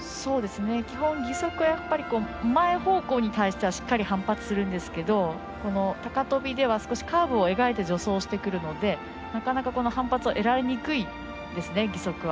基本、義足は前方向に対してはしっかり反発しますが高飛びでは少しカーブを描いて助走してくるのでなかなか反発を得られにくいんですね、義足は。